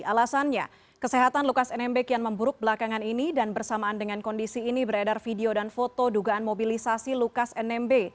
alasannya kesehatan lukas nmb kian memburuk belakangan ini dan bersamaan dengan kondisi ini beredar video dan foto dugaan mobilisasi lukas nmb